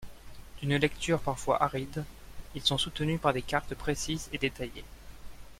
D'une lecture parfois aride, ils sont soutenus par des cartes précises et détaillées.